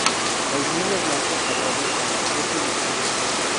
El Nilo Blanco atraviesa este distrito.